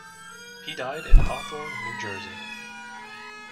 He died in Hawthorne, New Jersey.